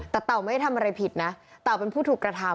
แต่เต่าไม่ได้ทำอะไรผิดนะเต่าเป็นผู้ถูกกระทำ